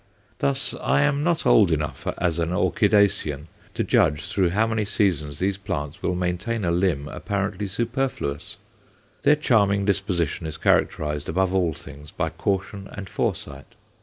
Thus, I am not old enough as an orchidacean to judge through how many seasons these plants will maintain a limb apparently superfluous. Their charming disposition is characterized above all things by caution and foresight.